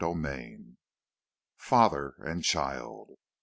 XXIV. FATHER AND CHILD.